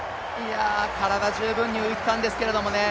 体、十分に浮いてたんですけどね。